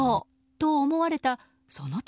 と思われた、その時。